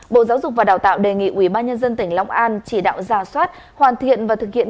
bộ giáo dục và đào tạo đề nghị ubnd tỉnh long an chỉ đạo ra soát hoàn thiện và thực hiện